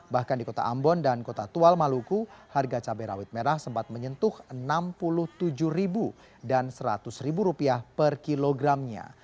bahkan di kota ambon dan kota tual maluku harga cabai rawit merah sempat menyentuh rp enam puluh tujuh dan rp seratus per kilogramnya